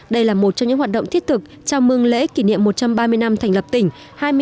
đây là một trong những hoạt động thiết thực chào mừng lễ kỷ niệm một trăm ba mươi năm thành lập tỉnh